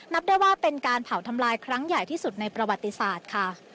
นับได้ว่าเป็นการเผาทำลายครั้งใหญ่ที่สุดในประวัติศาสตร์ค่ะ